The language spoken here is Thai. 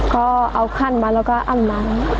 ก็เอาขั้นมาแล้วก็อ้ำน้ำ